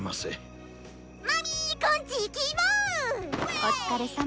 お疲れさま。